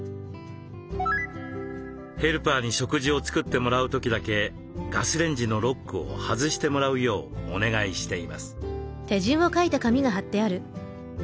ヘルパーに食事を作ってもらう時だけガスレンジのロックを外してもらうようお願いしています。